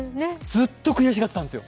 ずっと悔しがってたんですよ。